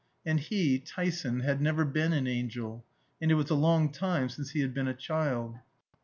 And he, Tyson, had never been an angel, and it was a long time since he had been a child.